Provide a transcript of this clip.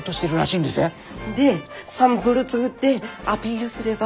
でサンプル作ってアピールすれば。